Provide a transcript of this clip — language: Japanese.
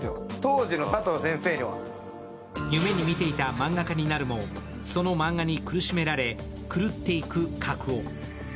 夢に見ていた漫画家になるもそのマンガに苦しめられ狂っていく描男。